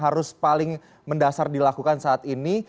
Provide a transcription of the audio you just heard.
harus paling mendasar dilakukan saat ini